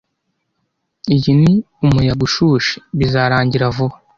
Iyi ni umuyaga ushushe. Bizarangira vuba.